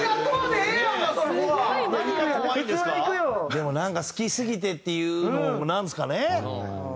でもなんか好きすぎてっていうのなんですかね。